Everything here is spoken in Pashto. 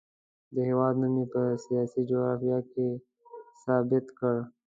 د هېواد نوم یې په سیاسي جغرافیه کې ثبت کړ.